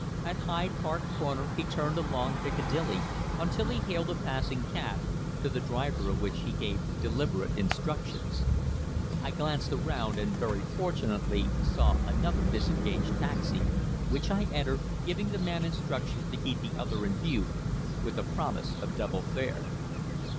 At Hyde Park Corner he turned along Piccadilly, until he hailed a passing taxi, to the driver of which he gave deliberate instructions. I glanced around, and very fortunately saw another disengaged taxi, which I entered, giving the man instructions to keep the other in view, with a promise of double fare.